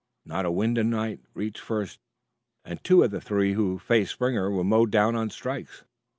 Not a Wyndhamite reached first, and two of the three who faced Springer were mowed down on strikes.